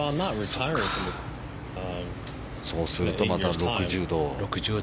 そうするとまた６０度。